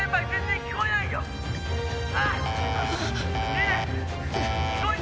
「ねえ！